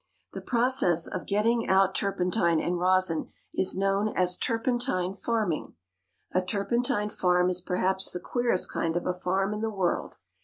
The process of getting out turpentine and rosin is known as turpentine farming. A turpentine farm is perhaps the queerest kind of a farm in the world.